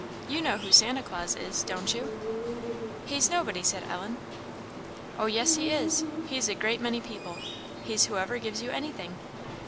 You know who Santa Claus is, don't you?" "He's nobody," said Ellen. "Oh, yes, he is he's a great many people he's whoever gives you anything.